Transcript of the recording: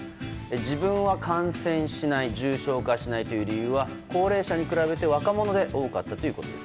自分は感染しない重症化しないという理由は高齢者に比べて若者で多かったということです。